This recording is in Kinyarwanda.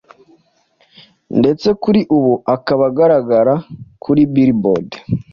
ndetse kuri ubu akaba agaragara kuri Billboard